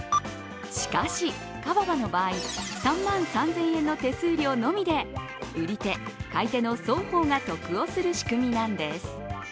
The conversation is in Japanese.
しかし、カババの場合、３万３０００円の手数料のみで売り手、買い手の双方が得をする仕組みなんです。